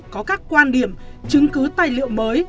có các quan điểm chứng cứ tài liệu mới